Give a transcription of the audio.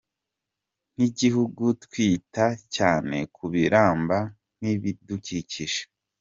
Nk’igihugu twita cyane ku biramba n’ibidukikije.